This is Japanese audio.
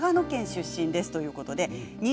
長野県出身です。